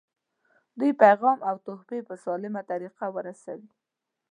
دوی پیغام او تحفې په سالمه طریقه ورسوي.